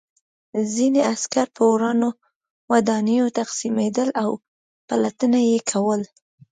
ځینې عسکر په ورانو ودانیو تقسیمېدل او پلټنه یې کوله